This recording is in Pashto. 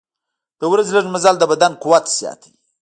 د ورځې لږ مزل د بدن قوت زیاتوي.